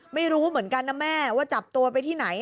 ไม่รู้เหมือนกันนะแม่ว่าจับตัวไปที่ไหน